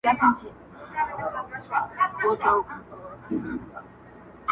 د زړه كاڼى مــي پــر لاره دى لــوېـدلى.